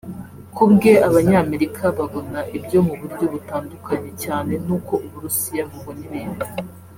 Ku bwe Abanyamerika babona ibyo mu buryo butandukanye cyane n’uko U Burusiya bubona ibintu